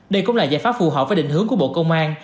đây cũng là giải pháp phù hợp với định hướng của bộ công an